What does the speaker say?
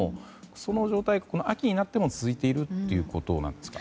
その状態が秋になっても続いているということですか。